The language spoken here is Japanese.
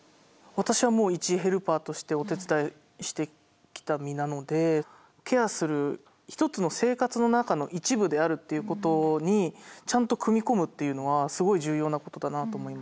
私はもう一ヘルパーとしてお手伝いしてきた身なのでケアする一つの生活の中の一部であるっていうことにちゃんと組み込むっていうのはすごい重要なことだなと思いましたね。